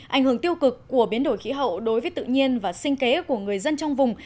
ảnh hưởng tiêu cực của biến đổi khí hậu đối với tự nhiên và sinh kế của người dân trong vùng